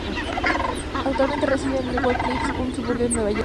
Actualmente reside en Englewood Cliffs, un suburbio de Nueva Jersey.